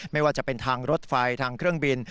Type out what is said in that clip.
ไม่ว่าจะเป็นทางรถไฟทางเครื่องบิน